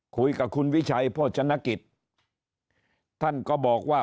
คุยกับคุณวิชัยโภชนกิจท่านก็บอกว่า